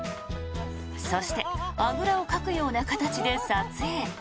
そしてあぐらをかくような形で撮影。